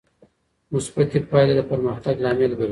مثبتې پایلې د پرمختګ لامل ګرځي.